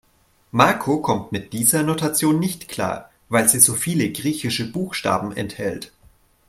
Marco kommt mit dieser Notation nicht klar, weil sie so viele griechische Buchstaben enthält.